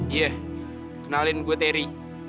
iya kenalin gue terry